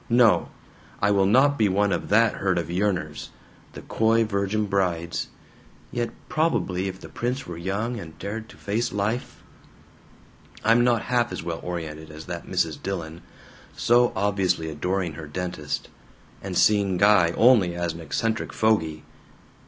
No! I will not be one of that herd of yearners! The coy virgin brides. Yet probably if the Prince were young and dared to face life "I'm not half as well oriented as that Mrs. Dillon. So obviously adoring her dentist! And seeing Guy only as an eccentric fogy.